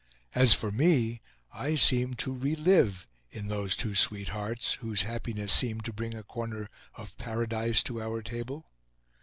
As for me, I seemed to relive in those two sweethearts, whose happiness seemed to bring a corner of Paradise to our table.